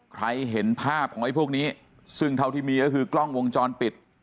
เห็นภาพของไอ้พวกนี้ซึ่งเท่าที่มีก็คือกล้องวงจรปิด